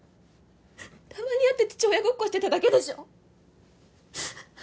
たまに会って父親ごっこしてただけでしょ